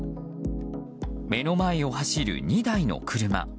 目の前を走る２台の車。